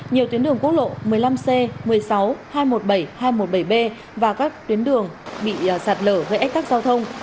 nhiều tuyến đường quốc lộ một mươi năm c một mươi sáu hai trăm một mươi bảy hai trăm một mươi bảy b và các tuyến đường bị sạt lở gây ách tắc giao thông